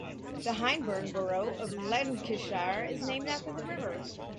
The Hyndburn borough of Lancashire is named after the river.